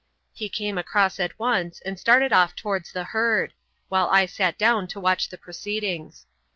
He came across at once and started off towards the herd, while I sat down to watch the proceedings.